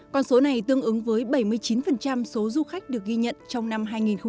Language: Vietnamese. con số này tương ứng với bảy mươi chín số du khách được ghi nhận trong năm hai nghìn một mươi chín